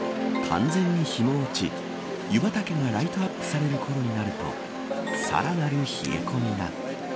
完全に日も落ち湯畑がライトアップされるころになるとさらなる冷え込みが。